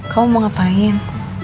kamu mau ngapain